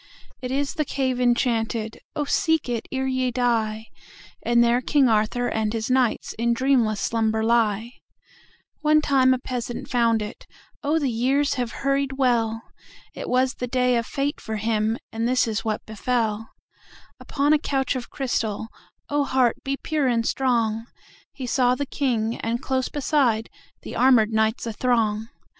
It is the cave enchanted(Oh, seek it ere ye die!)And there King Arthur and his knightsIn dreamless slumber lie. One time a peasant found it(Oh, the years have hurried well!)It was the day of fate for him, And this is what befell:Upon a couch of crystal(Oh, heart be pure and strong!)He saw the King, and, close beside, The armored knights athrong.